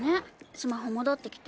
スマホ戻ってきて。